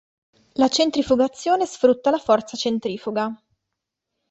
La centrifugazione sfrutta la forza centrifuga.